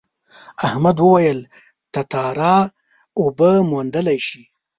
احمد وویل تتارا اوبه موندلی شي.